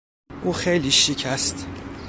او خیلی شیک است.